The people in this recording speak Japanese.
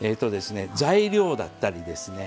材料だったりですね